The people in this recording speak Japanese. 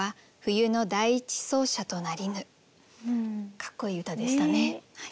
かっこいい歌でしたね。